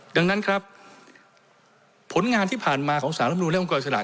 ดังนั้นครับผลงานที่ผ่านมาของสารรับนูนและองค์กรอิสระ